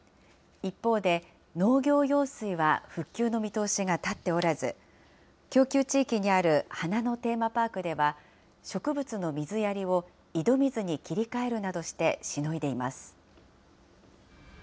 一方で、農業用水は復旧の見通しが立っておらず、供給地域にある花のテーマパークでは、植物の水やりを井戸水に切り替えるなどしてしのいでいます。